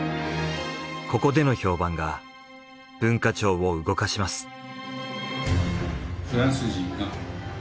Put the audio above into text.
ここでの評判が文化庁を動かします。